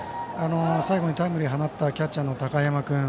最後にタイムリーを放ったキャッチャーの高山君。